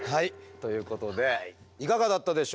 ということでいかがだったでしょうか。